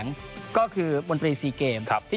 โปรดติดตามต่อไป